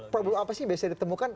problem apa sih yang biasanya ditemukan